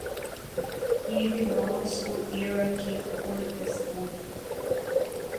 He belongs to Iraqi Kurdistan.